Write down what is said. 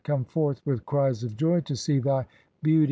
come forth with cries of joy to see thy beauties every 1.